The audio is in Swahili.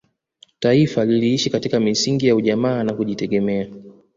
taifa liliishi katika misingi ya ujamaa na kujitegemea